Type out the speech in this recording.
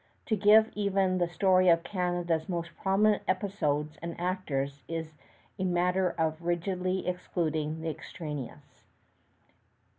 To give even the story {iv} of Canada's most prominent episodes and actors is a matter of rigidly excluding the extraneous.